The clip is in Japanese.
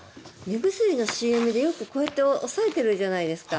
目薬のＣＭでよくこうやって押さえているじゃないですか。